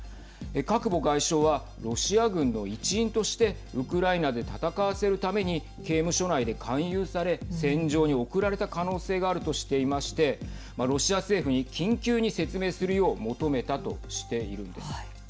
カクボ外相はロシア軍の一員としてウクライナで戦わせるために刑務所内で勧誘され、戦場に送られた可能性があるとしていましてロシア政府に緊急に説明するよう求めたとしているんです。